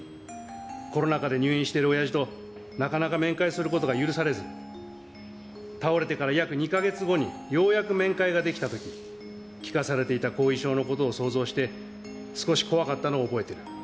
コロナ禍で入院しているおやじと、なかなか面会することが許されず、倒れてから約２か月後に、ようやく面会ができたとき、聞かされていた後遺症のことを想像して、少し怖かったのを覚えている。